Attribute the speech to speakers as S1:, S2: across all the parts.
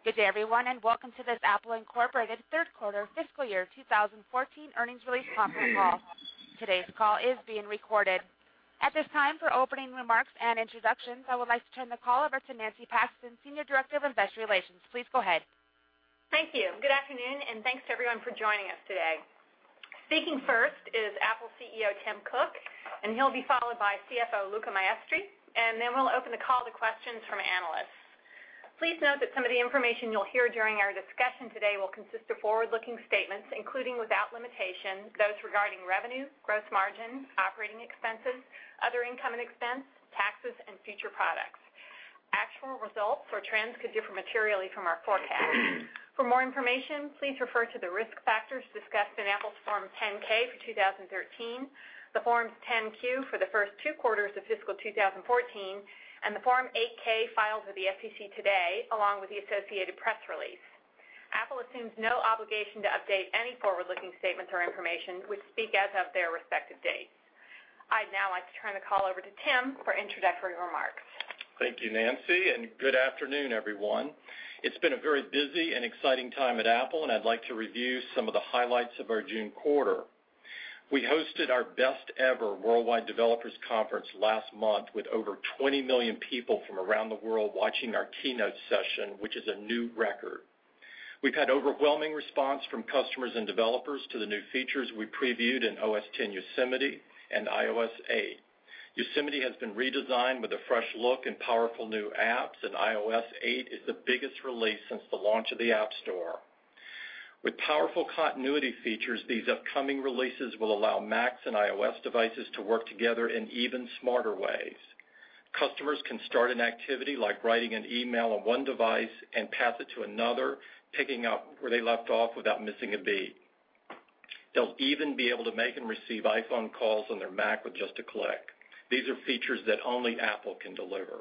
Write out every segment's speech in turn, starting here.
S1: Good day, everyone, and welcome to this Apple Inc. third quarter fiscal year 2014 earnings release conference call. Today's call is being recorded. At this time, for opening remarks and introductions, I would like to turn the call over to Nancy Paxton, Senior Director of Investor Relations. Please go ahead.
S2: Thank you. Good afternoon, thanks to everyone for joining us today. Speaking first is Apple CEO, Tim Cook, he'll be followed by CFO, Luca Maestri, then we'll open the call to questions from analysts. Please note that some of the information you'll hear during our discussion today will consist of forward-looking statements, including without limitation, those regarding revenue, gross margin, operating expenses, other income and expense, taxes, and future products. Actual results or trends could differ materially from our forecast. For more information, please refer to the risk factors discussed in Apple's Form 10-K for 2013, the Form 10-Q for the first two quarters of fiscal 2014, and the Form 8-K filed with the SEC today, along with the associated press release. Apple assumes no obligation to update any forward-looking statements or information, which speak as of their respective dates. I'd now like to turn the call over to Tim for introductory remarks.
S3: Thank you, Nancy, good afternoon, everyone. It's been a very busy and exciting time at Apple, I'd like to review some of the highlights of our June quarter. We hosted our best-ever Worldwide Developers Conference last month with over 20 million people from around the world watching our keynote session, which is a new record. We've had overwhelming response from customers and developers to the new features we previewed in OS X Yosemite and iOS 8. Yosemite has been redesigned with a fresh look and powerful new apps, iOS 8 is the biggest release since the launch of the App Store. With powerful continuity features, these upcoming releases will allow Macs and iOS devices to work together in even smarter ways. Customers can start an activity like writing an email on one device and pass it to another, picking up where they left off without missing a beat. They'll even be able to make and receive iPhone calls on their Mac with just a click. These are features that only Apple can deliver.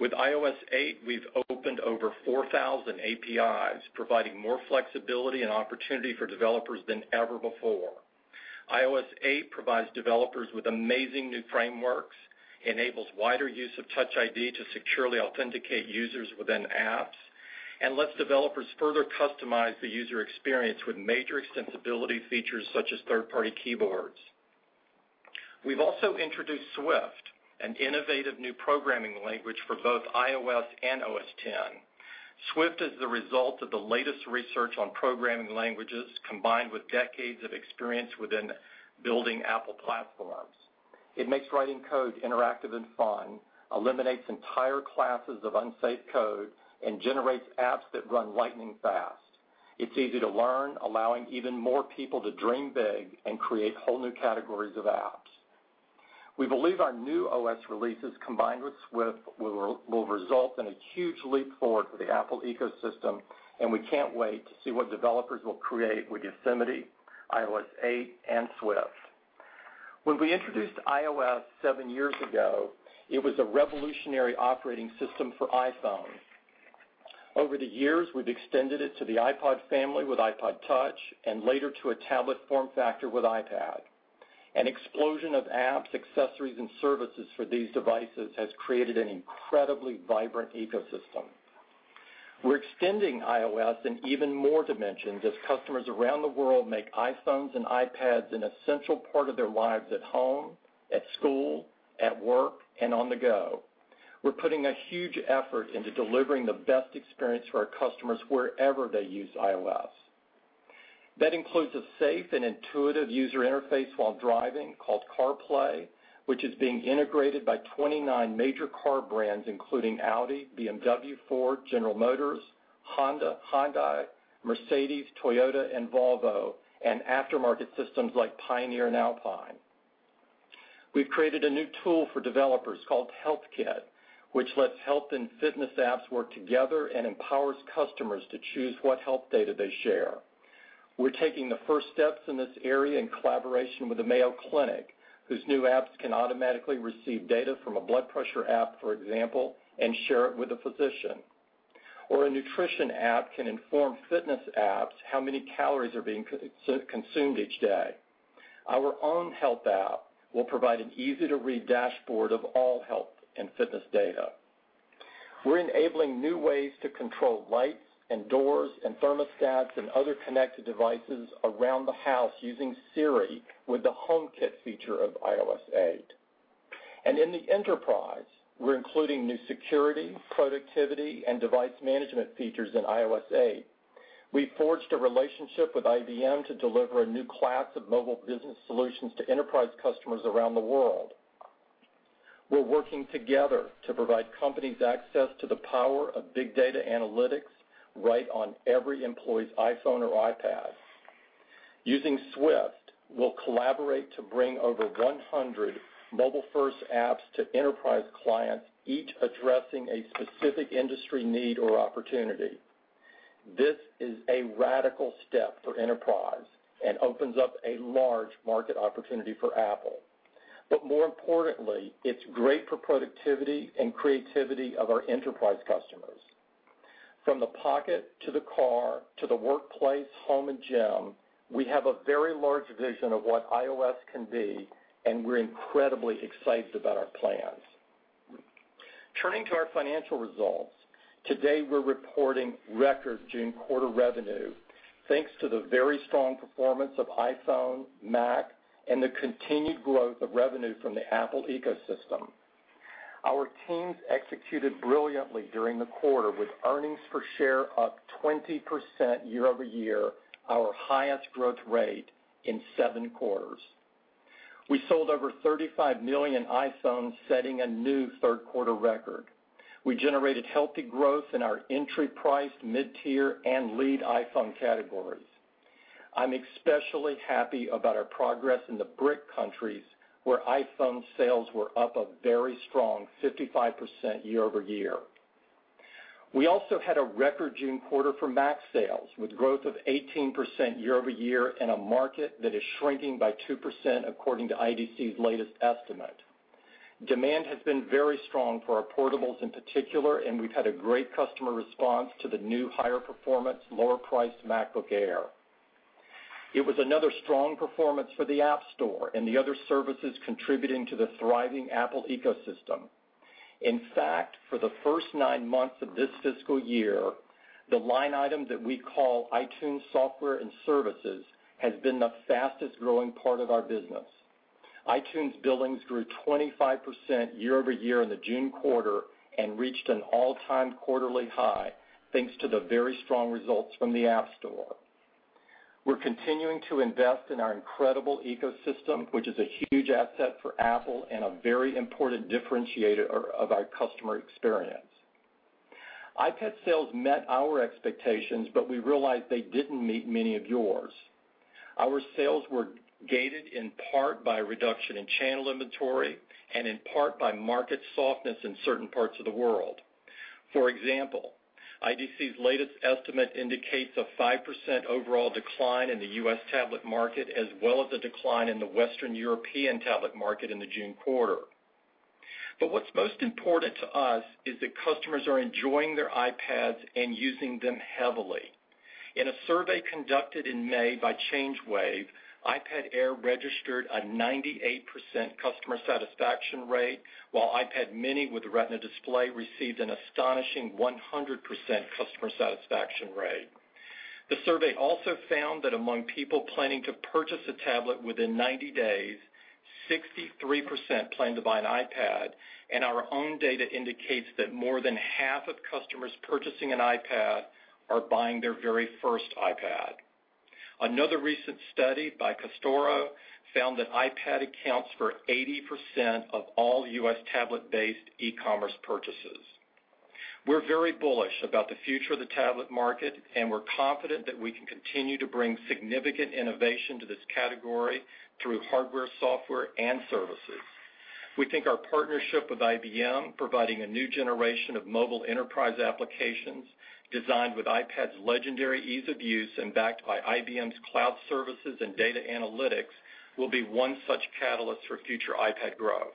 S3: With iOS 8, we've opened over 4,000 APIs, providing more flexibility and opportunity for developers than ever before. iOS 8 provides developers with amazing new frameworks, enables wider use of Touch ID to securely authenticate users within apps, and lets developers further customize the user experience with major extensibility features such as third-party keyboards. We've also introduced Swift, an innovative new programming language for both iOS and OS X. Swift is the result of the latest research on programming languages, combined with decades of experience within building Apple platforms. It makes writing code interactive and fun, eliminates entire classes of unsafe code, and generates apps that run lightning fast. It's easy to learn, allowing even more people to dream big and create whole new categories of apps. We believe our new OS releases combined with Swift will result in a huge leap forward for the Apple ecosystem, and we can't wait to see what developers will create with Yosemite, iOS 8, and Swift. When we introduced iOS seven years ago, it was a revolutionary operating system for iPhone. Over the years, we've extended it to the iPod family with iPod touch, and later to a tablet form factor with iPad. An explosion of apps, accessories, and services for these devices has created an incredibly vibrant ecosystem. We're extending iOS in even more dimensions as customers around the world make iPhones and iPads an essential part of their lives at home, at school, at work, and on the go. We're putting a huge effort into delivering the best experience for our customers wherever they use iOS. That includes a safe and intuitive user interface while driving called CarPlay, which is being integrated by 29 major car brands including Audi, BMW, Ford, General Motors, Honda, Hyundai, Mercedes, Toyota, and Volvo, and aftermarket systems like Pioneer and Alpine. We've created a new tool for developers called HealthKit, which lets health and fitness apps work together and empowers customers to choose what health data they share. We're taking the first steps in this area in collaboration with the Mayo Clinic, whose new apps can automatically receive data from a blood pressure app, for example, and share it with a physician. A nutrition app can inform fitness apps how many calories are being consumed each day. Our own health app will provide an easy-to-read dashboard of all health and fitness data. We're enabling new ways to control lights and doors and thermostats and other connected devices around the house using Siri with the HomeKit feature of iOS 8. In the enterprise, we're including new security, productivity, and device management features in iOS 8. We forged a relationship with IBM to deliver a new class of mobile business solutions to enterprise customers around the world. We're working together to provide companies access to the power of big data analytics right on every employee's iPhone or iPad. Using Swift, we'll collaborate to bring over 100 mobile-first apps to enterprise clients, each addressing a specific industry need or opportunity. This is a radical step for enterprise and opens up a large market opportunity for Apple. More importantly, it's great for productivity and creativity of our enterprise customers. From the pocket to the car, to the workplace, home, and gym, we have a very large vision of what iOS can be, and we're incredibly excited about our plans. Turning to our financial results, today we're reporting record June quarter revenue thanks to the very strong performance of iPhone, Mac, and the continued growth of revenue from the Apple ecosystem. Our teams executed brilliantly during the quarter with earnings per share up 20% year-over-year, our highest growth rate in seven quarters. We sold over 35 million iPhones, setting a new third-quarter record. We generated healthy growth in our entry price, mid-tier, and lead iPhone categories. I'm especially happy about our progress in the BRIC countries, where iPhone sales were up a very strong 55% year-over-year. We also had a record June quarter for Mac sales, with growth of 18% year-over-year in a market that is shrinking by 2% according to IDC's latest estimate. Demand has been very strong for our portables in particular, and we've had a great customer response to the new higher performance, lower price MacBook Air. It was another strong performance for the App Store and the other services contributing to the thriving Apple ecosystem. In fact, for the first nine months of this fiscal year, the line item that we call iTunes Software and Services has been the fastest growing part of our business. iTunes billings grew 25% year-over-year in the June quarter and reached an all-time quarterly high thanks to the very strong results from the App Store. We're continuing to invest in our incredible ecosystem, which is a huge asset for Apple and a very important differentiator of our customer experience. iPad sales met our expectations. We realized they didn't meet many of yours. Our sales were gated in part by a reduction in channel inventory and in part by market softness in certain parts of the world. For example, IDC's latest estimate indicates a 5% overall decline in the U.S. tablet market as well as a decline in the Western European tablet market in the June quarter. What's most important to us is that customers are enjoying their iPads and using them heavily. In a survey conducted in May by ChangeWave, iPad Air registered a 98% customer satisfaction rate, while iPad mini with Retina display received an astonishing 100% customer satisfaction rate. The survey also found that among people planning to purchase a tablet within 90 days, 63% plan to buy an iPad and our own data indicates that more than half of customers purchasing an iPad are buying their very first iPad. Another recent study by Custora found that iPad accounts for 80% of all U.S. tablet-based e-commerce purchases. We're very bullish about the future of the tablet market, and we're confident that we can continue to bring significant innovation to this category through hardware, software, and services. We think our partnership with IBM, providing a new generation of mobile enterprise applications designed with iPad's legendary ease of use and backed by IBM's cloud services and data analytics, will be one such catalyst for future iPad growth.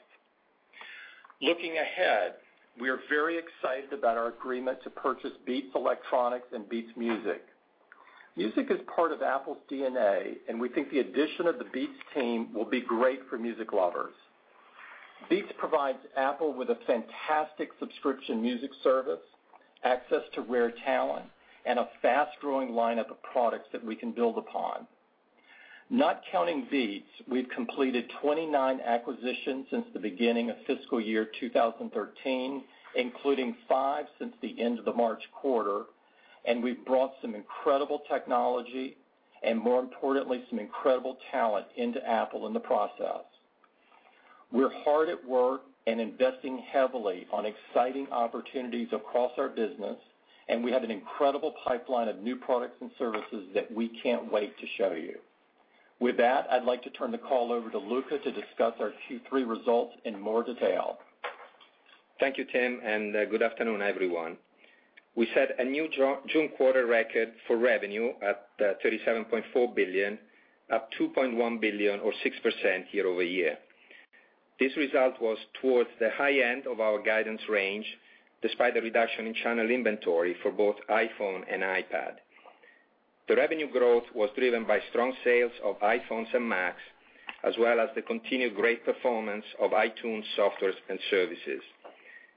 S3: Looking ahead, we are very excited about our agreement to purchase Beats Electronics and Beats Music. Music is part of Apple's DNA, and we think the addition of the Beats team will be great for music lovers. Beats provides Apple with a fantastic subscription music service, access to rare talent, and a fast-growing lineup of products that we can build upon. Not counting Beats, we've completed 29 acquisitions since the beginning of fiscal year 2013, including five since the end of the March quarter, and we've brought some incredible technology and, more importantly, some incredible talent into Apple in the process. We're hard at work and investing heavily on exciting opportunities across our business, and we have an incredible pipeline of new products and services that we can't wait to show you. With that, I'd like to turn the call over to Luca to discuss our Q3 results in more detail.
S4: Thank you, Tim, and good afternoon, everyone. We set a new June quarter record for revenue at $37.4 billion, up $2.1 billion or 6% year-over-year. This result was towards the high end of our guidance range, despite the reduction in channel inventory for both iPhone and iPad. The revenue growth was driven by strong sales of iPhones and Macs, as well as the continued great performance of iTunes, Software and Services.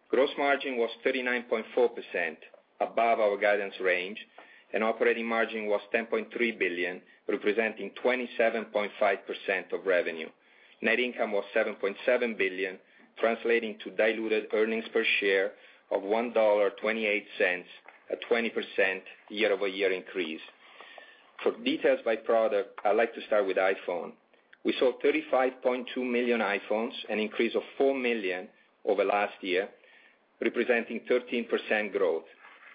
S4: Gross margin was 39.4% above our guidance range, and operating margin was $10.3 billion, representing 27.5% of revenue. Net income was $7.7 billion, translating to diluted earnings per share of $1.28 at 20% year-over-year increase. For details by product, I'd like to start with iPhone. We sold 35.2 million iPhones, an increase of 4 million over last year, representing 13% growth.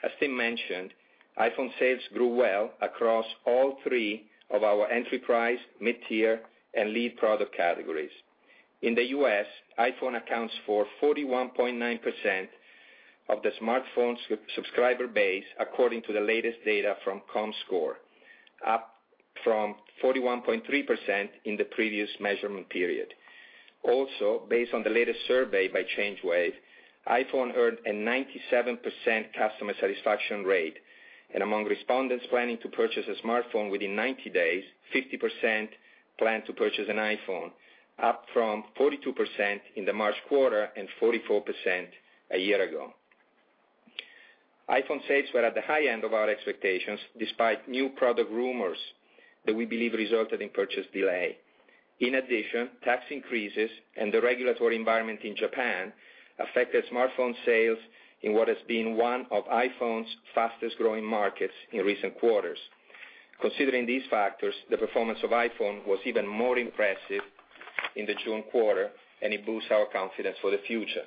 S4: As Tim mentioned, iPhone sales grew well across all three of our enterprise, mid-tier, and lead product categories. In the U.S., iPhone accounts for 41.9% of the smartphone subscriber base, according to the latest data from comScore, up from 41.3% in the previous measurement period. Also, based on the latest survey by ChangeWave, iPhone earned a 97% customer satisfaction rate, and among respondents planning to purchase a smartphone within 90 days, 50% plan to purchase an iPhone, up from 42% in the March quarter and 44% a year ago. iPhone sales were at the high end of our expectations, despite new product rumors that we believe resulted in purchase delay. In addition, tax increases and the regulatory environment in Japan affected smartphone sales in what has been one of iPhone's fastest-growing markets in recent quarters. Considering these factors, the performance of iPhone was even more impressive in the June quarter, and it boosts our confidence for the future.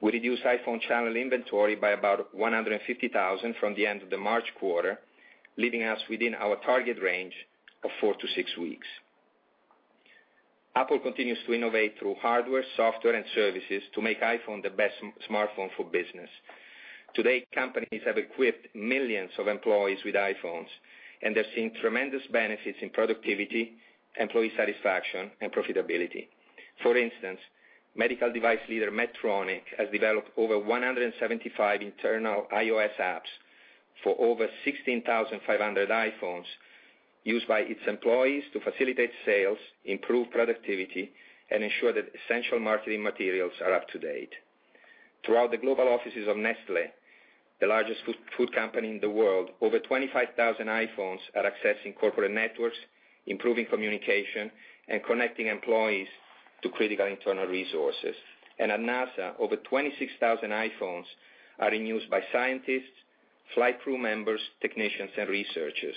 S4: We reduced iPhone channel inventory by about 150,000 from the end of the March quarter, leaving us within our target range of four to six weeks. Apple continues to innovate through hardware, software, and services to make iPhone the best smartphone for business. Today, companies have equipped millions of employees with iPhones, and they're seeing tremendous benefits in productivity, employee satisfaction, and profitability. For instance, medical device leader Medtronic has developed over 175 internal iOS apps for over 16,500 iPhones used by its employees to facilitate sales, improve productivity, and ensure that essential marketing materials are up to date. Throughout the global offices of Nestlé, the largest food company in the world, over 25,000 iPhones are accessing corporate networks, improving communication, and connecting employees to critical internal resources. At NASA, over 26,000 iPhones are in use by scientists, flight crew members, technicians, and researchers.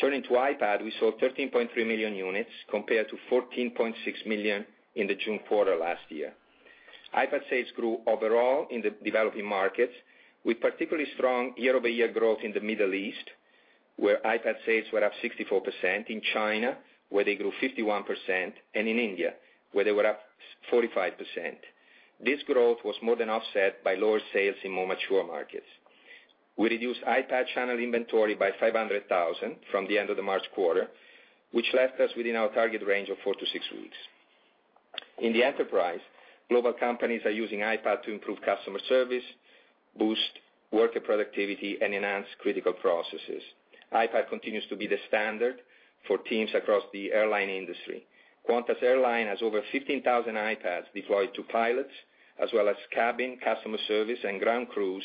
S4: Turning to iPad, we sold 13.3 million units compared to 14.6 million in the June quarter last year. iPad sales grew overall in the developing markets, with particularly strong year-over-year growth in the Middle East, where iPad sales were up 64%, in China, where they grew 51%, and in India, where they were up 45%. This growth was more than offset by lower sales in more mature markets. We reduced iPad channel inventory by 500,000 from the end of the March quarter, which left us within our target range of four to six weeks. In the enterprise, global companies are using iPad to improve customer service, boost worker productivity, and enhance critical processes. iPad continues to be the standard for teams across the airline industry. Qantas Airlines has over 15,000 iPads deployed to pilots as well as cabin, customer service, and ground crews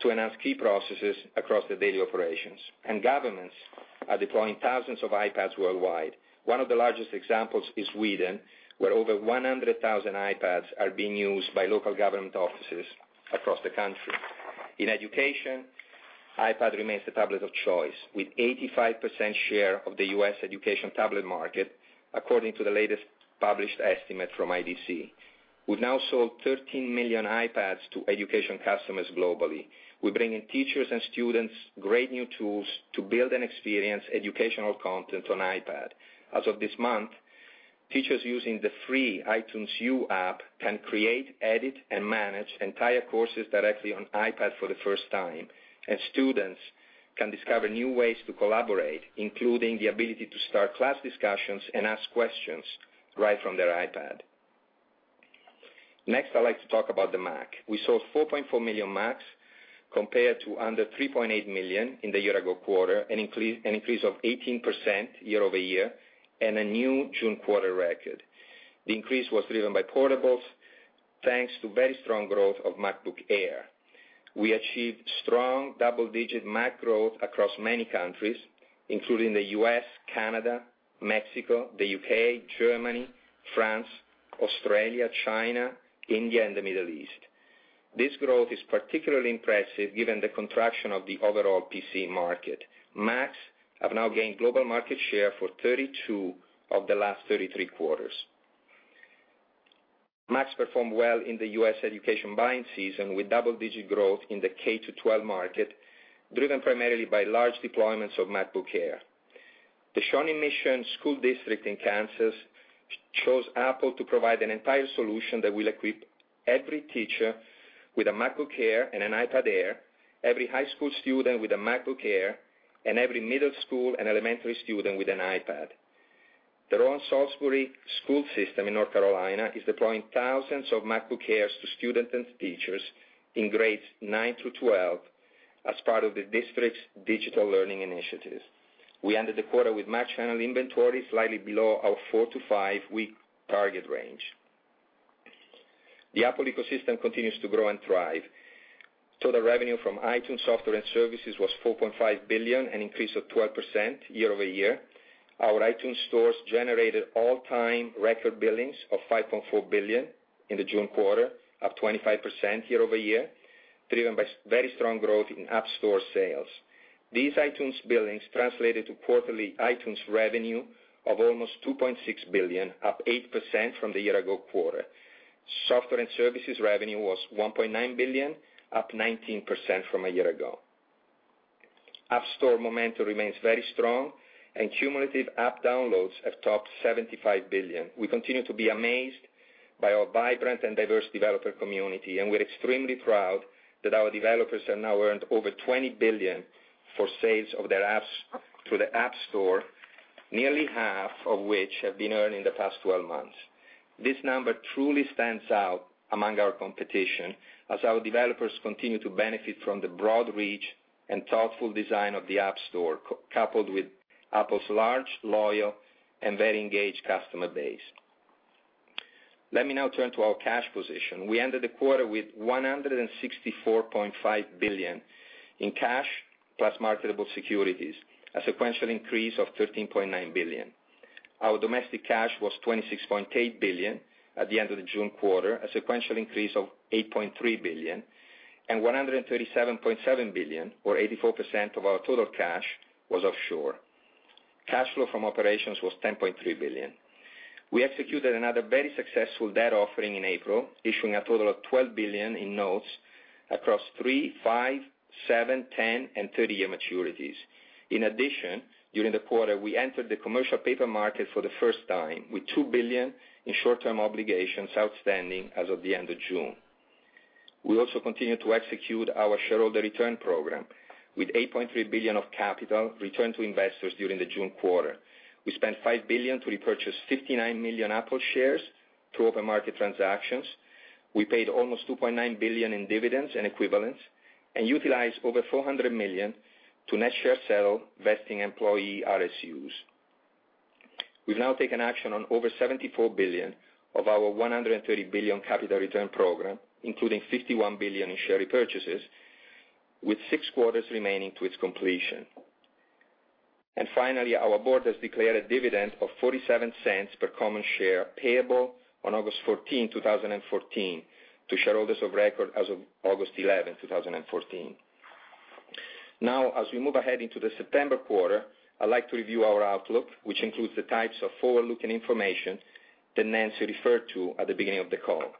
S4: to enhance key processes across the daily operations. Governments are deploying thousands of iPads worldwide. One of the largest examples is Sweden, where over 100,000 iPads are being used by local government offices across the country. In education, iPad remains the tablet of choice, with 85% share of the U.S. education tablet market, according to the latest published estimate from IDC. We've now sold 13 million iPads to education customers globally. We're bringing teachers and students great new tools to build and experience educational content on iPad. As of this month, teachers using the free iTunes U app can create, edit, and manage entire courses directly on iPad for the first time. Students can discover new ways to collaborate, including the ability to start class discussions and ask questions right from their iPad. Next, I'd like to talk about the Mac. We sold 4.4 million Macs compared to under 3.8 million in the year-ago quarter, an increase of 18% year-over-year, and a new June quarter record. The increase was driven by portables, thanks to very strong growth of MacBook Air. We achieved strong double-digit Mac growth across many countries, including the U.S., Canada, Mexico, the U.K., Germany, France, Australia, China, India, and the Middle East. This growth is particularly impressive given the contraction of the overall PC market. Macs have now gained global market share for 32 of the last 33 quarters. Macs performed well in the U.S. education buying season with double-digit growth in the K-12 market, driven primarily by large deployments of MacBook Air. The Shawnee Mission School District in Kansas chose Apple to provide an entire solution that will equip every teacher with a MacBook Air and an iPad Air, every high school student with a MacBook Air, and every middle school and elementary student with an iPad. The Rowan-Salisbury School System in North Carolina is deploying thousands of MacBook Airs to students and teachers in grades nine through 12 as part of the district's digital learning initiatives. We ended the quarter with Mac channel inventory slightly below our four-to-five week target range. The Apple ecosystem continues to grow and thrive. Total revenue from iTunes, Software and Services was $4.5 billion, an increase of 12% year-over-year. Our iTunes stores generated all-time record billings of $5.4 billion in the June quarter, up 25% year-over-year, driven by very strong growth in App Store sales. These iTunes billings translated to quarterly iTunes revenue of almost $2.6 billion, up 8% from the year-ago quarter. Software and Services revenue was $1.9 billion, up 19% from a year ago. App Store momentum remains very strong, cumulative app downloads have topped 75 billion. We continue to be amazed by our vibrant and diverse developer community. We're extremely proud that our developers have now earned over $20 billion for sales of their apps through the App Store, nearly half of which have been earned in the past 12 months. This number truly stands out among our competition as our developers continue to benefit from the broad reach and thoughtful design of the App Store, coupled with Apple's large, loyal, and very engaged customer base. Let me now turn to our cash position. We ended the quarter with $164.5 billion in cash plus marketable securities, a sequential increase of $13.9 billion. Our domestic cash was $26.8 billion at the end of the June quarter, a sequential increase of $8.3 billion, and $137.7 billion or 84% of our total cash was offshore. Cash flow from operations was $10.3 billion. We executed another very successful debt offering in April, issuing a total of $12 billion in notes across three, five, seven, 10, and 30-year maturities. In addition, during the quarter, we entered the commercial paper market for the first time, with $2 billion in short-term obligations outstanding as of the end of June. We also continue to execute our shareholder return program with $8.3 billion of capital returned to investors during the June quarter. We spent $5 billion to repurchase 59 million Apple shares through open market transactions. We paid almost $2.9 billion in dividends and equivalents and utilized over $400 million to net share sale vesting employee RSUs. We've now taken action on over $74 billion of our $130 billion capital return program, including $51 billion in share repurchases, with six quarters remaining to its completion. Finally, our board has declared a dividend of $0.47 per common share payable on August 14, 2014, to shareholders of record as of August 11, 2014. Now, as we move ahead into the September quarter, I'd like to review our outlook, which includes the types of forward-looking information that Nancy referred to at the beginning of the call.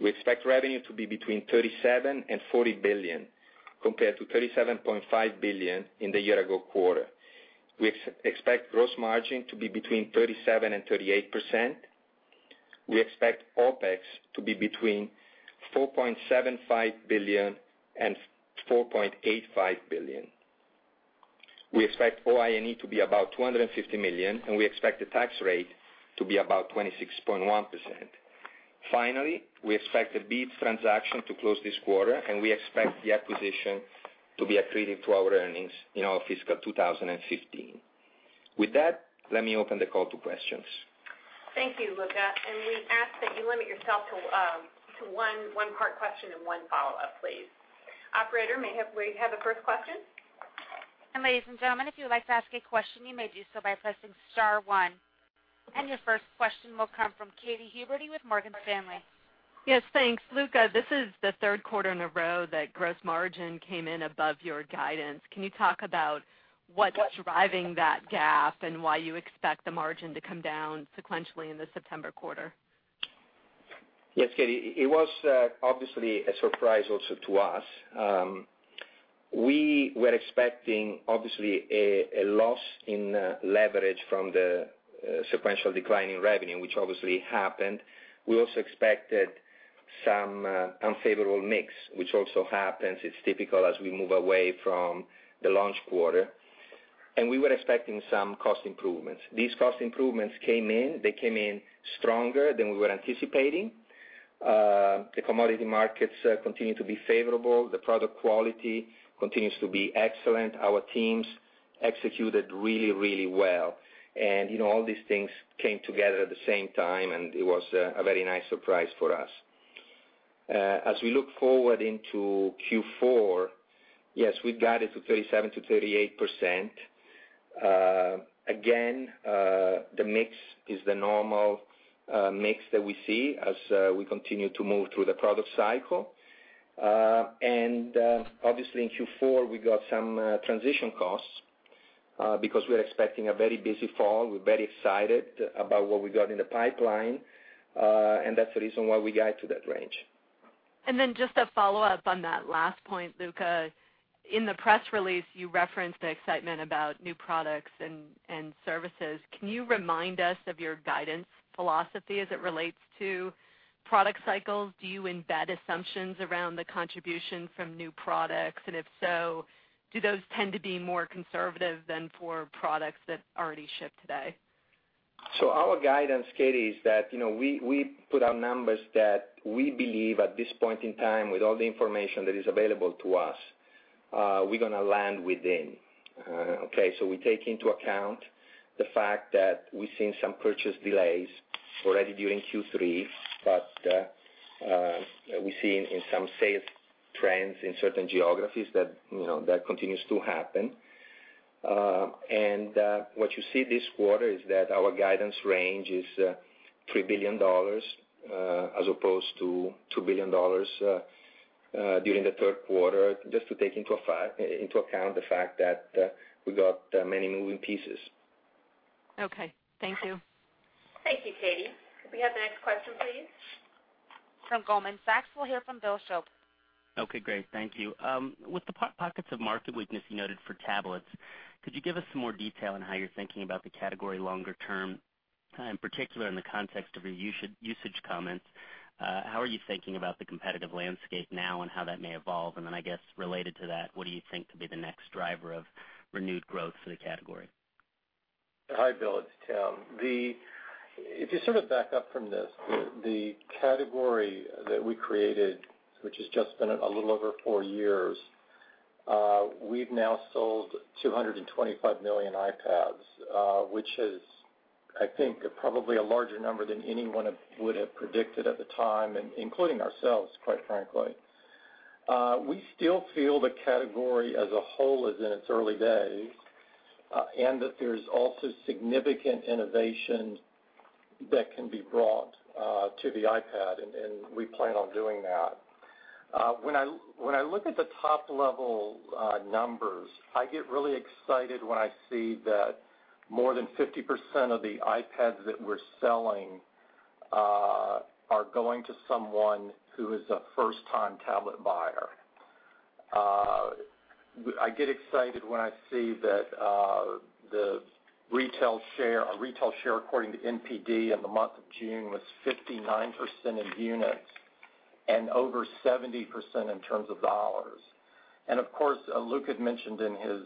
S4: We expect revenue to be between $37 billion and $40 billion, compared to $37.5 billion in the year-ago quarter. We expect gross margin to be between 37% and 38%. We expect OpEx to be between $4.75 billion and $4.85 billion. We expect OIE to be about $250 million, we expect the tax rate to be about 26.1%. Finally, we expect the Beats transaction to close this quarter, we expect the acquisition to be accretive to our earnings in our fiscal 2015. With that, let me open the call to questions.
S2: Thank you, Luca, we ask that you limit yourself to one hard question and one follow-up, please. Operator, may we have the first question?
S1: Ladies and gentlemen, if you would like to ask a question, you may do so by pressing star one. Your first question will come from Katy Huberty with Morgan Stanley.
S5: Yes, thanks. Luca, this is the third quarter in a row that gross margin came in above your guidance. Can you talk about what's driving that gap and why you expect the margin to come down sequentially in the September quarter?
S4: Yes, Katy. It was obviously a surprise also to us. We were expecting, obviously, a loss in leverage from the sequential decline in revenue, which obviously happened. We also expected some unfavorable mix, which also happens. It's typical as we move away from the launch quarter. We were expecting some cost improvements. These cost improvements came in. They came in stronger than we were anticipating. The commodity markets continue to be favorable. The product quality continues to be excellent. Our teams executed really well. All these things came together at the same time, and it was a very nice surprise for us. As we look forward into Q4, yes, we've guided to 37%-38%. Again, the mix is the normal mix that we see as we continue to move through the product cycle. Obviously, in Q4, we got some transition costs because we're expecting a very busy fall. We're very excited about what we got in the pipeline. That's the reason why we guide to that range.
S5: Then just a follow-up on that last point, Luca. In the press release, you referenced the excitement about new products and services. Can you remind us of your guidance philosophy as it relates to product cycles? Do you embed assumptions around the contribution from new products? If so, do those tend to be more conservative than for products that already ship today?
S4: Our guidance, Katy, is that we put out numbers that we believe at this point in time, with all the information that is available to us, we're going to land within. Okay, we take into account the fact that we've seen some purchase delays already during Q3, but we've seen in some sales trends in certain geographies that continues to happen. What you see this quarter is that our guidance range is $3 billion as opposed to $2 billion during the third quarter, just to take into account the fact that we got many moving pieces.
S5: Okay. Thank you.
S2: Thank you, Katy. Could we have the next question, please?
S1: From Goldman Sachs, we'll hear from Bill Shope.
S6: Okay, great. Thank you. With the pockets of market weakness you noted for tablets, could you give us some more detail on how you're thinking about the category longer term, in particular in the context of your usage comments? How are you thinking about the competitive landscape now and how that may evolve? Then, I guess related to that, what do you think could be the next driver of renewed growth for the category?
S3: Hi, Bill, it's Tim. If you sort of back up from this, the category that we created, which has just been a little over four years, we've now sold 225 million iPads which is, I think, probably a larger number than anyone would have predicted at the time, including ourselves, quite frankly. We still feel the category as a whole is in its early days, and that there's also significant innovation that can be brought to the iPad, and we plan on doing that. When I look at the top-level numbers, I get really excited when I see that more than 50% of the iPads that we're selling are going to someone who is a first-time tablet buyer. I get excited when I see that the retail share, according to NPD in the month of June, was 59% in units and over 70% in terms of dollars. Of course, Luca had mentioned in his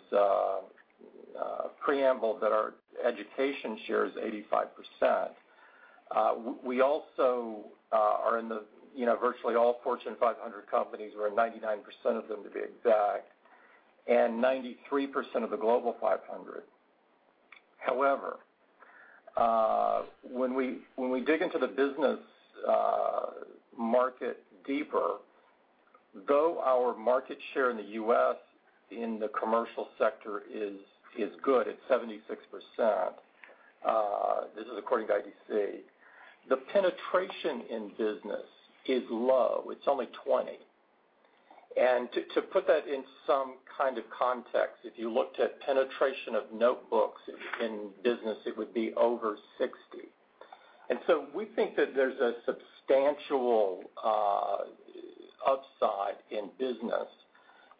S3: preamble that our education share is 85%. We also are in virtually all Fortune 500 companies. We're in 99% of them, to be exact, and 93% of the Global 500. However, when we dig into the business market deeper, though our market share in the U.S. in the commercial sector is good at 76%, this is according to IDC, the penetration in business is low. It's only 20. To put that in some kind of context, if you looked at penetration of notebooks in business, it would be over 60. We think that there's a substantial upside in business,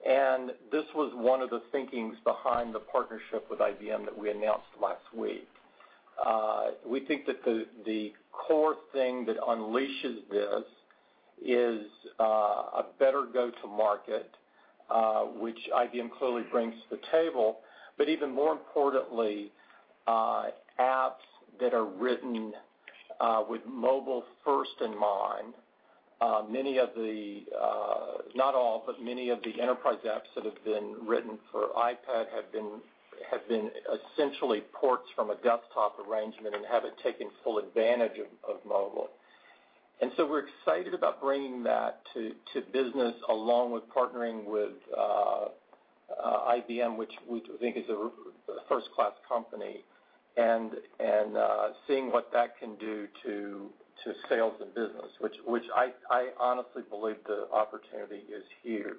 S3: and this was one of the thinkings behind the partnership with IBM that we announced last week. We think that the core thing that unleashes this is a better go-to-market, which IBM clearly brings to the table. Even more importantly, apps that are written with mobile first in mind. Not all, but many of the enterprise apps that have been written for iPad have been essentially ports from a desktop arrangement and haven't taken full advantage of mobile. We're excited about bringing that to business, along with partnering with IBM, which we think is a first-class company, and seeing what that can do to sales and business, which I honestly believe the opportunity is huge.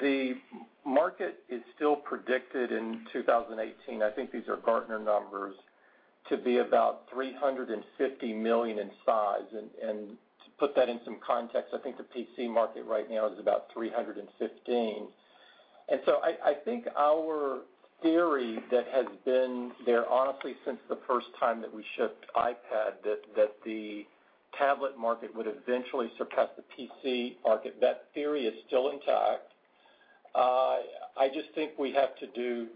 S3: The market is still predicted in 2018, I think these are Gartner numbers, to be about $350 million in size. To put that in some context, I think the PC market right now is about 315. I think our theory that has been there honestly since the first time that we shipped iPad, that the tablet market would eventually surpass the PC market, that theory is still intact. I just think we have to do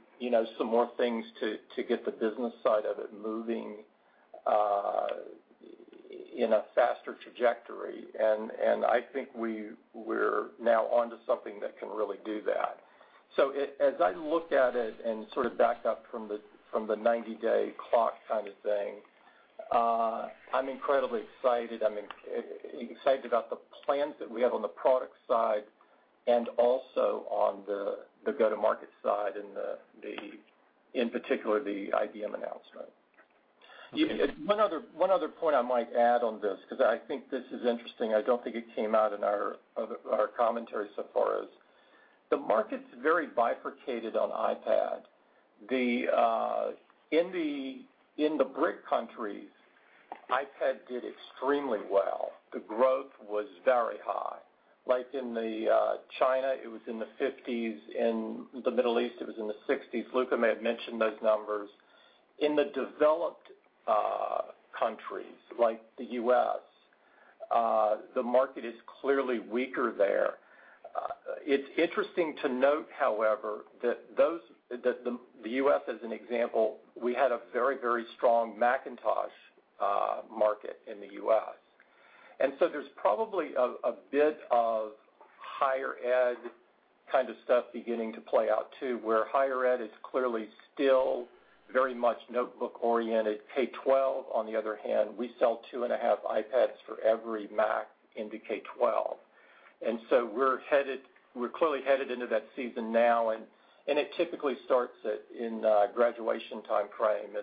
S3: some more things to get the business side of it moving in a faster trajectory. I think we're now onto something that can really do that. As I look at it and sort of back up from the 90-day clock kind of thing, I'm incredibly excited. I'm excited about the plans that we have on the product side and also on the go-to-market side and in particular, the IBM announcement. One other point I might add on this, because I think this is interesting. I don't think it came out in our commentary so far, is the market's very bifurcated on iPad. In the BRIC countries, iPad did extremely well. The growth was very high. Like in China, it was in the 50s; in the Middle East, it was in the 60s. Luca may have mentioned those numbers. In the developed countries like the U.S., the market is clearly weaker there. It's interesting to note, however, that the U.S., as an example, we had a very strong Macintosh market in the U.S. There's probably a bit of higher ed kind of stuff beginning to play out, too, where higher ed is clearly still very much notebook oriented. K-12, on the other hand, we sell two and a half iPads for every Mac into K-12. We're clearly headed into that season now, and it typically starts in the graduation timeframe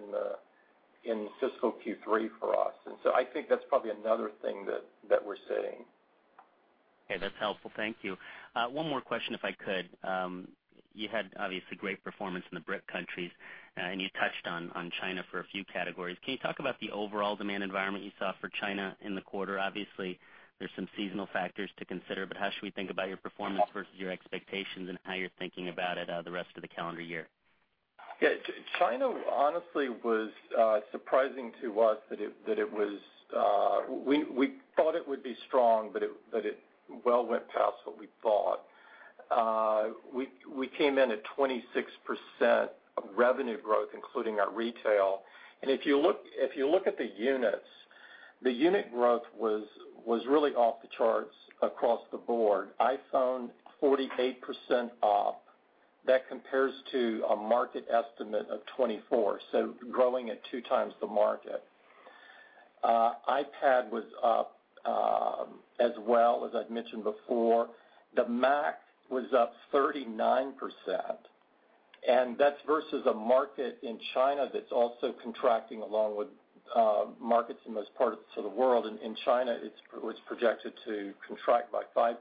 S3: in fiscal Q3 for us. I think that's probably another thing that we're seeing
S6: Okay, that's helpful. Thank you. One more question, if I could. You had obviously great performance in the BRIC countries, and you touched on China for a few categories. Can you talk about the overall demand environment you saw for China in the quarter? Obviously, there's some seasonal factors to consider, but how should we think about your performance versus your expectations and how you're thinking about it the rest of the calendar year?
S3: Yeah. China honestly was surprising to us. We thought it would be strong, but it well went past what we thought. We came in at 26% of revenue growth, including our retail. If you look at the units, the unit growth was really off the charts across the board. iPhone, 48% up. That compares to a market estimate of 24%, so growing at two times the market. iPad was up as well, as I'd mentioned before. The Mac was up 39%, and that's versus a market in China that's also contracting along with markets in most parts of the world. In China, it was projected to contract by 5%.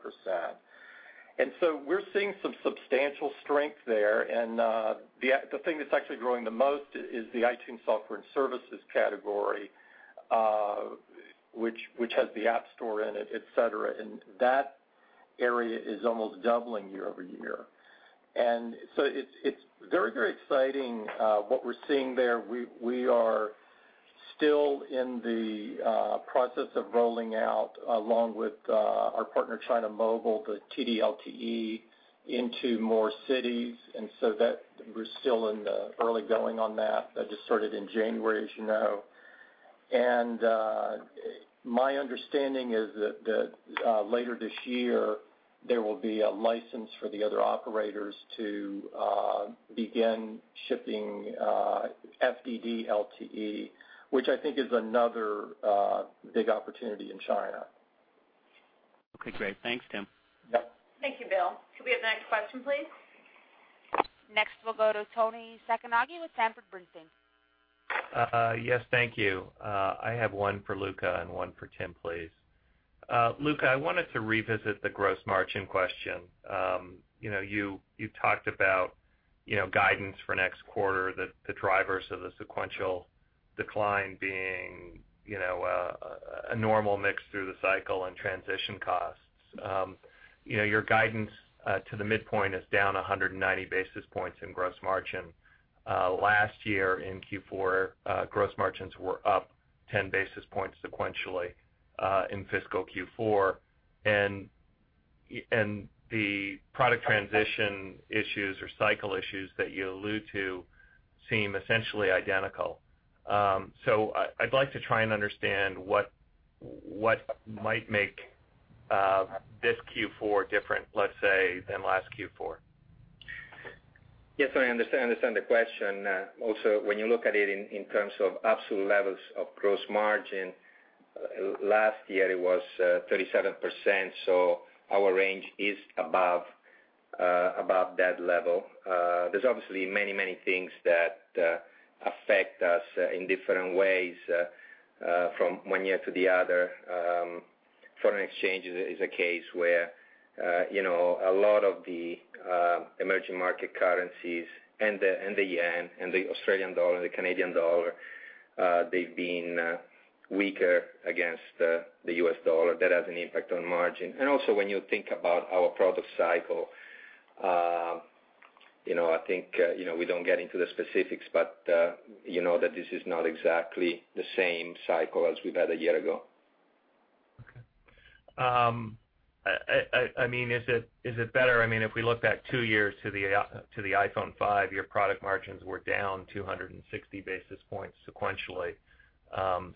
S3: We're seeing some substantial strength there, the thing that's actually growing the most is the iTunes, Software and Services category, which has the App Store in it, et cetera, and that area is almost doubling year-over-year. It's very exciting what we're seeing there. We are still in the process of rolling out, along with our partner, China Mobile, the TD-LTE into more cities, so we're still in the early going on that. That just started in January, as you know. My understanding is that later this year, there will be a license for the other operators to begin shipping FDD LTE, which I think is another big opportunity in China.
S6: Okay, great. Thanks, Tim.
S3: Yep.
S2: Thank you, Bill. Could we have the next question, please?
S1: Next, we'll go to Toni Sacconaghi with Sanford Bernstein.
S7: Yes, thank you. I have one for Luca and one for Tim, please. Luca, I wanted to revisit the gross margin question. You talked about guidance for next quarter, the drivers of the sequential decline being a normal mix through the cycle and transition costs. Your guidance to the midpoint is down 190 basis points in gross margin. Last year in Q4, gross margins were up 10 basis points sequentially, in fiscal Q4. The product transition issues or cycle issues that you allude to seem essentially identical. I'd like to try and understand what might make this Q4 different, let's say, than last Q4.
S4: Yes, I understand the question. Also, when you look at it in terms of absolute levels of gross margin, last year it was 37%, our range is above that level. There's obviously many things that affect us in different ways from one year to the other. Foreign exchange is a case where a lot of the emerging market currencies and the yen and the Australian dollar, the Canadian dollar, they've been weaker against the US dollar. That has an impact on margin. Also when you think about our product cycle, I think we don't get into the specifics, but you know that this is not exactly the same cycle as we've had a year ago.
S7: Okay. Is it better? If we look back 2 years to the iPhone 5, your product margins were down 260 basis points sequentially.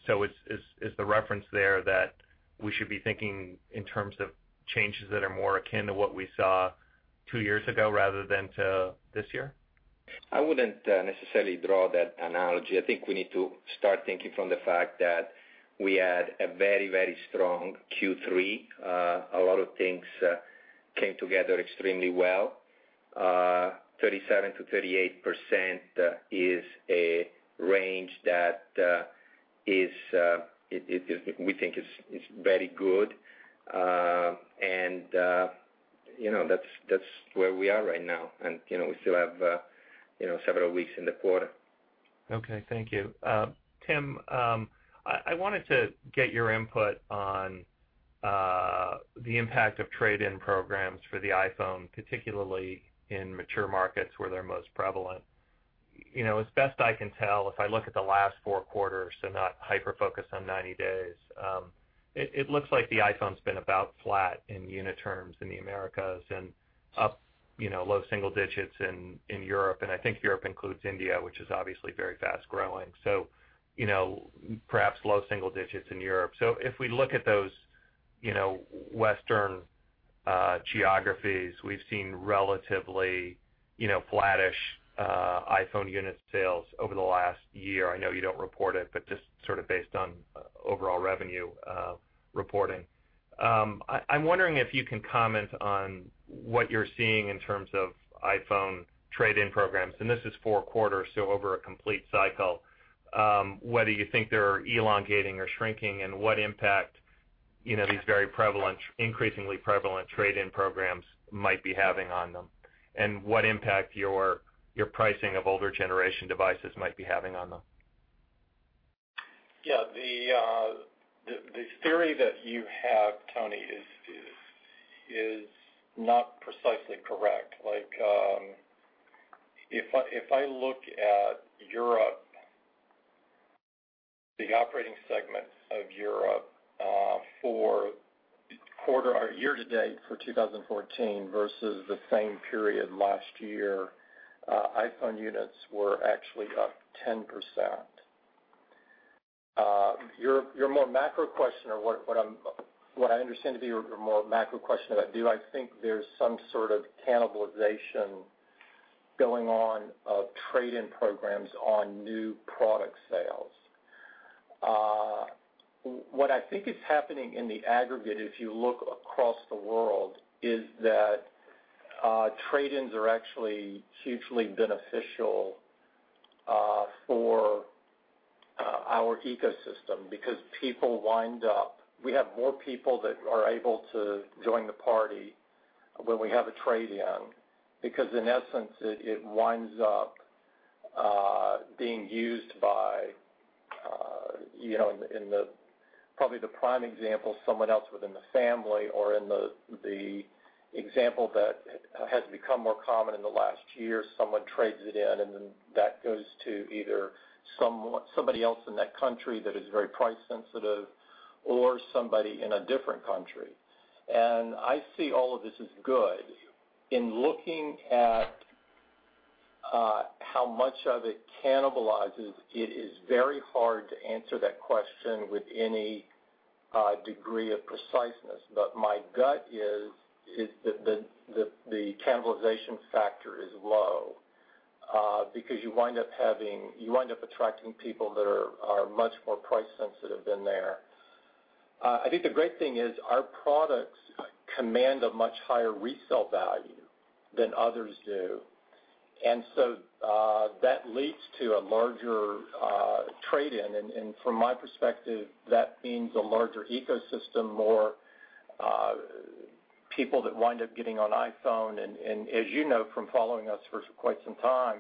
S7: Is the reference there that we should be thinking in terms of changes that are more akin to what we saw 2 years ago rather than to this year?
S4: I wouldn't necessarily draw that analogy. I think we need to start thinking from the fact that we had a very strong Q3. A lot of things came together extremely well. 37%-38% is a range that we think is very good, and that's where we are right now, and we still have several weeks in the quarter.
S7: Okay, thank you. Tim, I wanted to get your input on the impact of trade-in programs for the iPhone, particularly in mature markets where they're most prevalent. As best I can tell, if I look at the last 4 quarters, not hyper-focused on 90 days, it looks like the iPhone's been about flat in unit terms in the Americas and up low single digits in Europe, and I think Europe includes India, which is obviously very fast-growing. Perhaps low single digits in Europe. If we look at those Western geographies, we've seen relatively flattish iPhone unit sales over the last year. I know you don't report it, but just sort of based on overall revenue reporting. I'm wondering if you can comment on what you're seeing in terms of iPhone trade-in programs, this is 4 quarters, over a complete cycle, whether you think they're elongating or shrinking and what impact these very increasingly prevalent trade-in programs might be having on them, and what impact your pricing of older generation devices might be having on them.
S3: Yeah. The theory that you have, Toni, is not precisely correct. If I look at Europe, the operating segments of Europe for year-to-date for 2014 versus the same period last year, iPhone units were actually up 10%. Your more macro question, or what I understand to be your more macro question, do I think there's some sort of cannibalization going on of trade-in programs on new product sales? What I think is happening in the aggregate, if you look across the world, is that trade-ins are actually hugely beneficial for our ecosystem because we have more people that are able to join the party when we have a trade-in, because in essence, it winds up being used by, probably the prime example, someone else within the family, or in the example that has become more common in the last year, someone trades it in and then that goes to either somebody else in that country that is very price sensitive, or somebody in a different country. I see all of this as good. In looking at how much of it cannibalizes, it is very hard to answer that question with any degree of preciseness. My gut is that the cannibalization factor is low, because you wind up attracting people that are much more price sensitive than there. I think the great thing is our products command a much higher resale value than others do, so that leads to a larger trade-in. From my perspective, that means a larger ecosystem, more people that wind up getting on iPhone. As you know from following us for quite some time,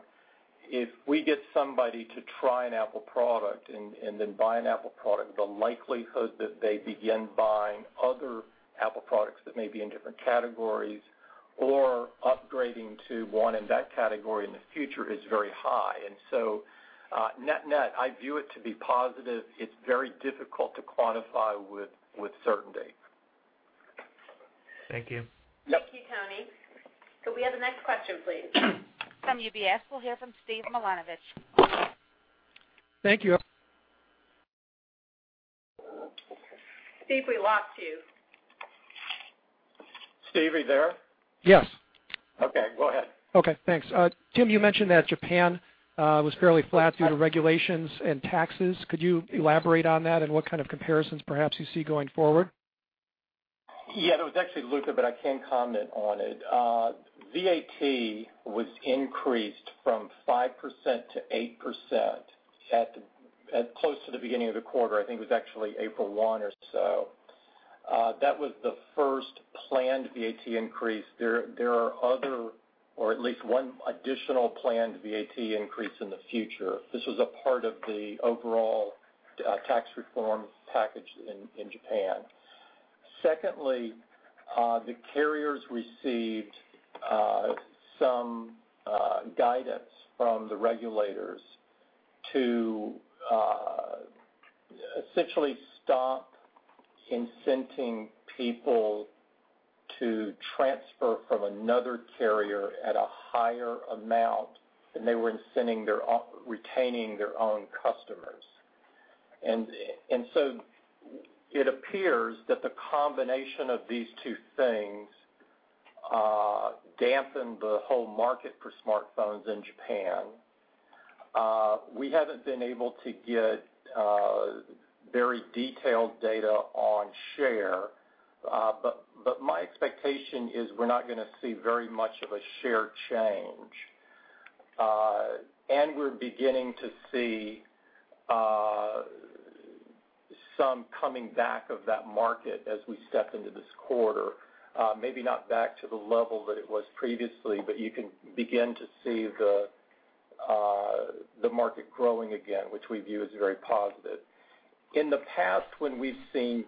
S3: if we get somebody to try an Apple product and then buy an Apple product, the likelihood that they begin buying other Apple products that may be in different categories or upgrading to one in that category in the future is very high. So net-net, I view it to be positive. It's very difficult to quantify with certainty.
S7: Thank you.
S2: Thank you, Toni. Could we have the next question, please?
S1: From UBS, we'll hear from Steve Milunovich.
S8: Thank you.
S2: Steve, we lost you.
S3: Steve, are you there?
S8: Yes.
S3: Okay, go ahead.
S8: Okay, thanks. Tim, you mentioned that Japan was fairly flat due to regulations and taxes. Could you elaborate on that and what kind of comparisons perhaps you see going forward?
S3: Yeah, that was actually Luca, but I can comment on it. VAT was increased from 5% to 8% at close to the beginning of the quarter. I think it was actually April 1 or so. That was the first planned VAT increase. There are other, or at least one additional planned VAT increase in the future. This was a part of the overall tax reform package in Japan. Secondly, the carriers received some guidance from the regulators to essentially stop incenting people to transfer from another carrier at a higher amount than they were retaining their own customers. It appears that the combination of these two things dampened the whole market for smartphones in Japan. We haven't been able to get very detailed data on share, but my expectation is we're not going to see very much of a share change. We're beginning to see some coming back of that market as we step into this quarter. Maybe not back to the level that it was previously, but you can begin to see the market growing again, which we view as very positive. In the past, when we've seen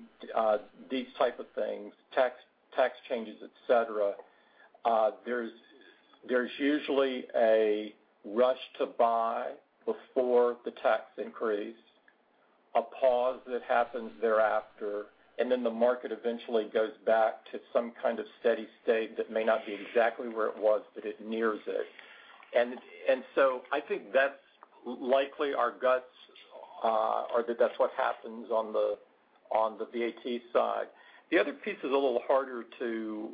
S3: these type of things, tax changes, et cetera, there's usually a rush to buy before the tax increase, a pause that happens thereafter, and then the market eventually goes back to some kind of steady state that may not be exactly where it was, but it nears it. I think that's likely our guts are that that's what happens on the VAT side. The other piece is a little harder to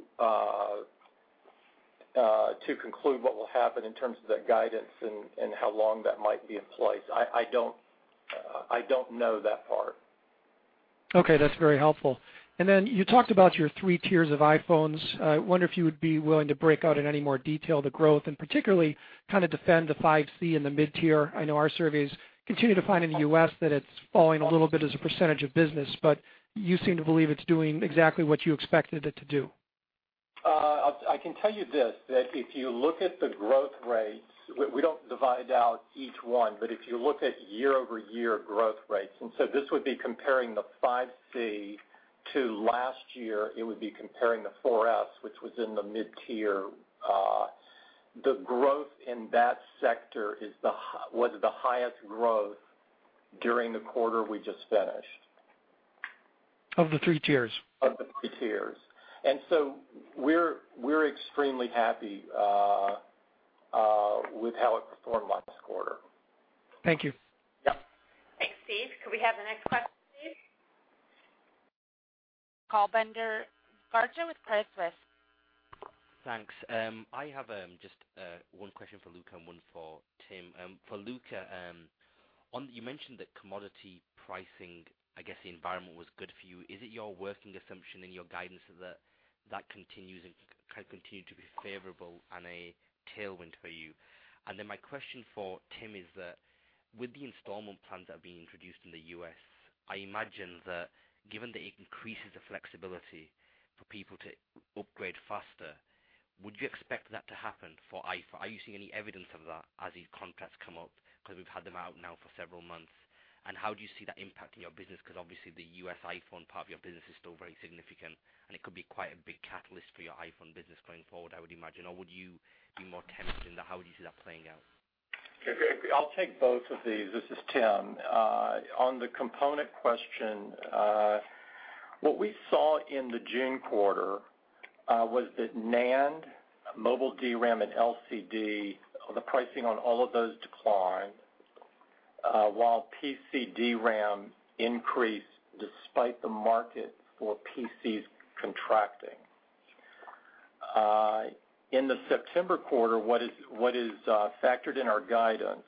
S3: conclude what will happen in terms of that guidance and how long that might be in place. I don't know that part.
S8: Okay, that's very helpful. You talked about your 3 tiers of iPhones. I wonder if you would be willing to break out in any more detail the growth, and particularly kind of defend the 5c in the mid-tier. I know our surveys continue to find in the U.S. that it's falling a little bit as a percentage of business, but you seem to believe it's doing exactly what you expected it to do.
S3: I can tell you this, that if you look at the growth rates, we don't divide out each one, but if you look at year-over-year growth rates, this would be comparing the 5c to last year, it would be comparing the 4S, which was in the mid-tier. The growth in that sector was the highest growth during the quarter we just finished.
S8: Of the 3 tiers?
S3: Of the 3 tiers. We're extremely happy with how it performed last quarter.
S8: Thank you.
S3: Yeah.
S2: Thanks, Steve. Could we have the next question, please?
S1: Kulbinder Garcha with Credit Suisse.
S9: Thanks. I have just one question for Luca and one for Tim. For Luca, you mentioned that commodity pricing, I guess the environment was good for you. Is it your working assumption in your guidance that continues and can continue to be favorable and a tailwind for you? My question for Tim is that with the installment plans that are being introduced in the U.S., I imagine that given that it increases the flexibility for people to upgrade faster, would you expect that to happen for iPhone? Are you seeing any evidence of that as these contracts come up? We've had them out now for several months, and how do you see that impacting your business? Obviously the U.S. iPhone part of your business is still very significant, and it could be quite a big catalyst for your iPhone business going forward, I would imagine. Would you be more tempted, and how would you see that playing out?
S3: I'll take both of these. This is Tim. On the component question, what we saw in the June quarter was that NAND, mobile DRAM, and LCD, the pricing on all of those declined, while PC DRAM increased despite the market for PCs contracting. In the September quarter, what is factored in our guidance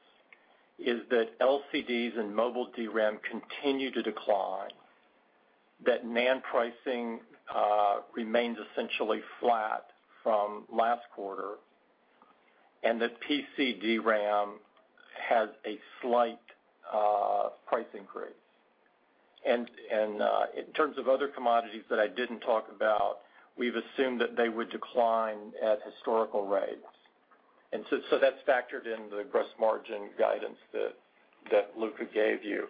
S3: is that LCDs and mobile DRAM continue to decline, that NAND pricing remains essentially flat from last quarter, and that PC DRAM has a slight price increase. In terms of other commodities that I didn't talk about, we've assumed that they would decline at historical rates. That's factored into the gross margin guidance that Luca gave you.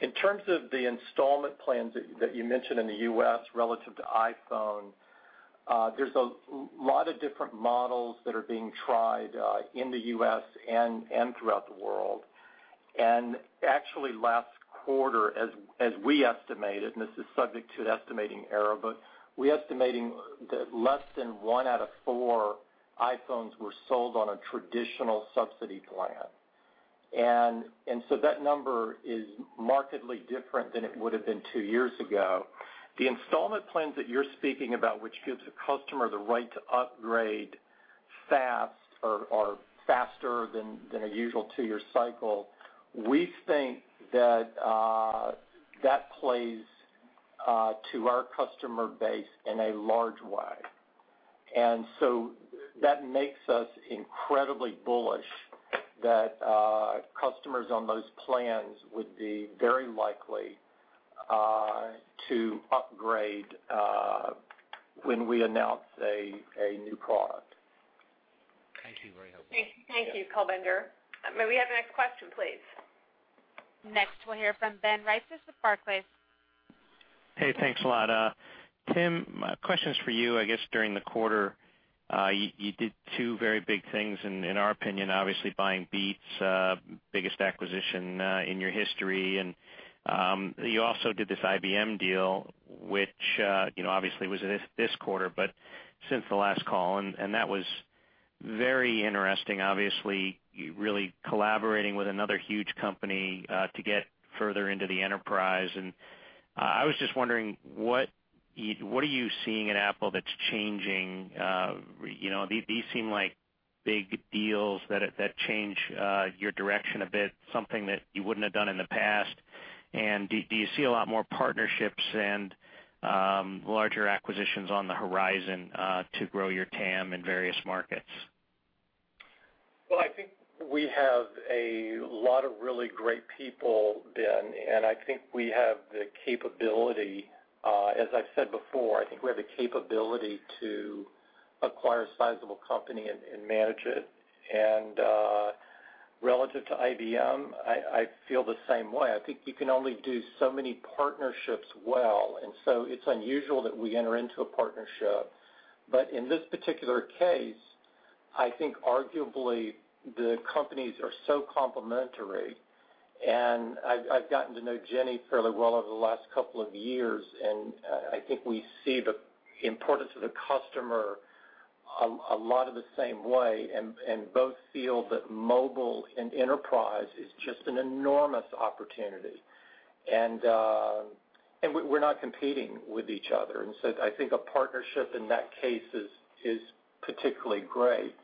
S3: In terms of the installment plans that you mentioned in the U.S. relative to iPhone, there's a lot of different models that are being tried in the U.S. and throughout the world. Actually last quarter, as we estimated, and this is subject to an estimating error, but we're estimating that less than one out of four iPhones were sold on a traditional subsidy plan. That number is markedly different than it would have been two years ago. The installment plans that you're speaking about, which gives a customer the right to upgrade fast or faster than a usual two-year cycle, we think that plays to our customer base in a large way. That makes us incredibly bullish that customers on those plans would be very likely to upgrade when we announce a new product.
S9: Thank you. Very helpful.
S2: Thank you, Kulbinder Garcha. May we have the next question, please?
S1: Next, we'll hear from Ben Reitzes with Barclays.
S10: Hey, thanks a lot. Tim, my question is for you. I guess during the quarter, you did two very big things, in our opinion. Obviously buying Beats, biggest acquisition in your history, and you also did this IBM deal, which obviously was this quarter, but since the last call, that was very interesting. Obviously, you really collaborating with another huge company to get further into the enterprise. I was just wondering, what are you seeing at Apple that's changing? These seem like big deals that change your direction a bit, something that you wouldn't have done in the past. Do you see a lot more partnerships and larger acquisitions on the horizon to grow your TAM in various markets?
S3: Well, I think we have a lot of really great people, Ben, I think we have the capability. As I've said before, I think we have the capability to acquire a sizable company and manage it. Relative to IBM, I feel the same way. I think you can only do so many partnerships well, it's unusual that we enter into a partnership. In this particular case, I think arguably the companies are so complementary, I've gotten to know Ginni fairly well over the last couple of years, and I think we see the importance of the customer a lot of the same way and both feel that mobile and enterprise is just an enormous opportunity. We're not competing with each other. I think a partnership in that case is particularly great.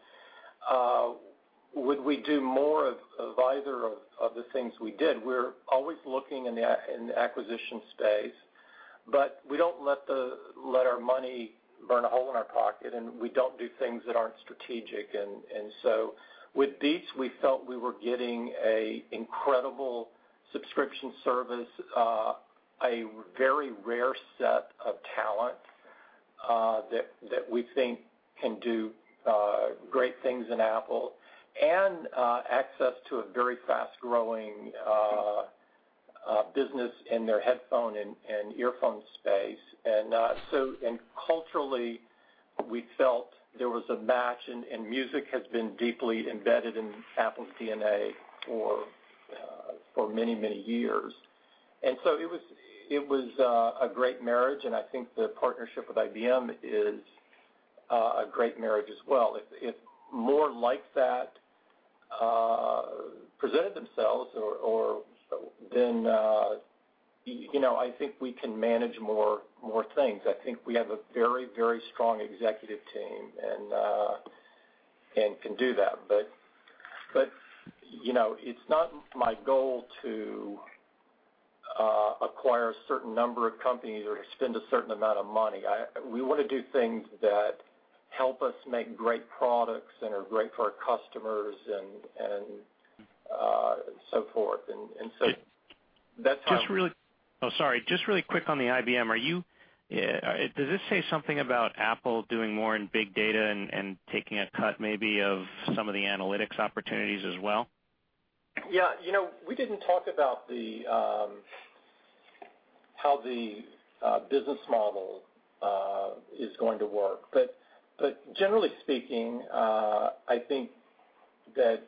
S3: Would we do more of either of the things we did? We're always looking in the acquisition space, but we don't let our money burn a hole in our pocket, and we don't do things that aren't strategic. With Beats, we felt we were getting a incredible subscription service, a very rare set of talents that we think can do great things in Apple and access to a very fast-growing business in their headphone and earphone space. Culturally, we felt there was a match, and music has been deeply embedded in Apple's DNA for many, many years. It was a great marriage, and I think the partnership with IBM is a great marriage as well. If more like that presented themselves, I think we can manage more things. I think we have a very, very strong executive team and can do that. It's not my goal to acquire a certain number of companies or spend a certain amount of money. We want to do things that help us make great products and are great for our customers and so forth. That's how-
S10: oh, sorry. Just really quick on the IBM. Does this say something about Apple doing more in big data and taking a cut maybe of some of the analytics opportunities as well?
S3: Yeah. We didn't talk about how the business model is going to work. Generally speaking, I think that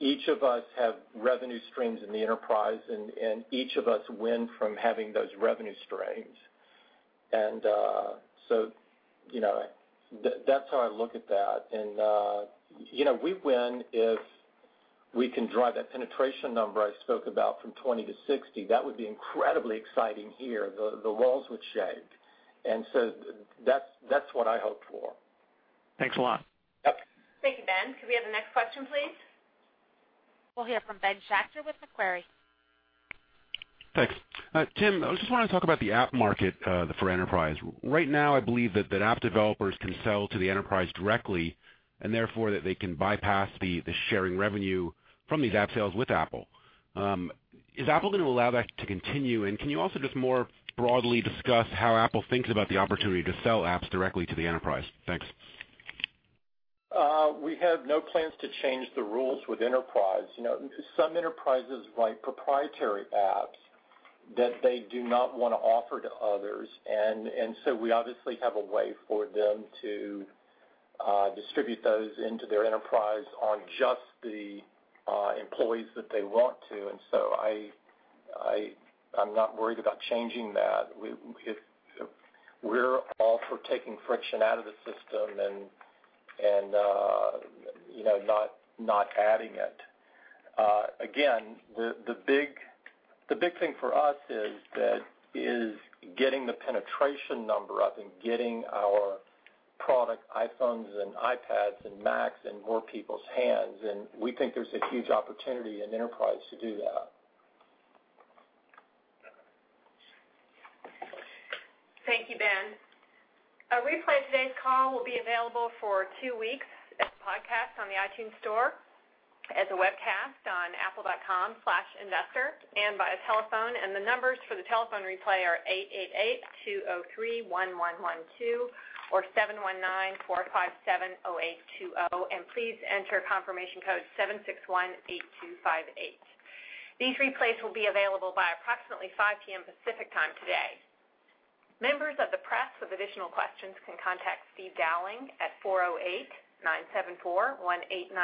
S3: each of us have revenue streams in the enterprise, and each of us win from having those revenue streams. That's how I look at that. We win if we can drive that penetration number I spoke about from 20 to 60. That would be incredibly exciting here. The walls would shake. That's what I hope for.
S10: Thanks a lot.
S3: Yep.
S2: Thank you, Ben. Could we have the next question, please?
S1: We'll hear from Ben Schachter with Macquarie.
S11: Thanks, Tim. I just wanted to talk about the app market for enterprise. Right now, I believe that app developers can sell to the enterprise directly, and therefore, that they can bypass the sharing revenue from these app sales with Apple. Is Apple going to allow that to continue? Can you also just more broadly discuss how Apple thinks about the opportunity to sell apps directly to the enterprise? Thanks.
S3: We have no plans to change the rules with enterprise. Some enterprises write proprietary apps that they do not want to offer to others. We obviously have a way for them to distribute those into their enterprise on just the employees that they want to. I'm not worried about changing that. We're all for taking friction out of the system and not adding it. Again, the big thing for us is getting the penetration number up and getting our product iPhones and iPads and Macs in more people's hands. We think there's a huge opportunity in enterprise to do that.
S2: Thank you, Ben. A replay of today's call will be available for two weeks as a podcast on the iTunes Store, as a webcast on apple.com/investor, and via telephone. The numbers for the telephone replay are 888-203-1112 or 719-457-0820. Please enter confirmation code 7618258. These replays will be available by approximately 5:00 P.M. Pacific Time today. Members of the press with additional questions can contact Steve Dowling at 408-974-1896,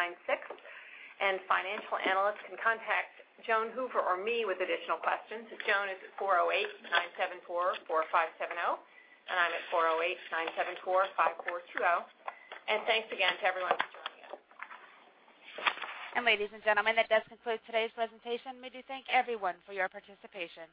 S2: and financial analysts can contact Joan Hoover or me with additional questions. Joan is at 408-974-4570, and I'm at 408-974-5420. Thanks again to everyone for joining us.
S1: Ladies and gentlemen, that does conclude today's presentation. We do thank everyone for your participation.